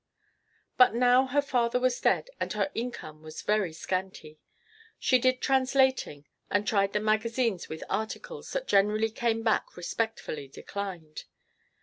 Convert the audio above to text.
But now her father was dead and her income was very scanty. She did translating, and tried the magazines with articles that generally came back respectfully declined.